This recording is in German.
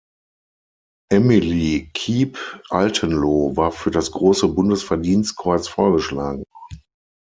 Emilie Kiep-Altenloh war für das Große Bundesverdienstkreuz vorgeschlagen worden.